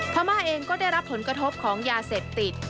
พม่าเองก็ได้รับผลกระทบของยาเสพติด